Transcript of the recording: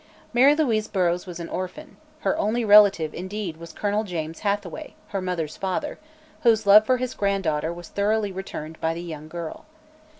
Mary Louise Burrows was an orphan; her only relative, indeed, was Colonel James Hathaway, her mother's father, whose love for his granddaughter was thoroughly returned by the young girl.